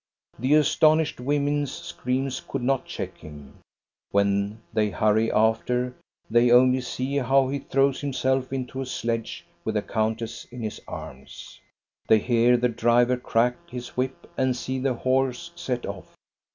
The astonished women's screams could not check him. When they hurry after, they only see how he throws himself into a sledge with the countess in his arms. They hear the driver crack his whip and see the horse set off.